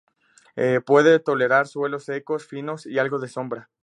Puede tolerar suelos secos, finos y algo de sombra.